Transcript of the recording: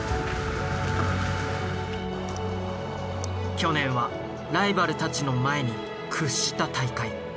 去年はライバルたちの前に屈した大会。